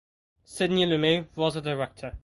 Sidney Lumet was the director.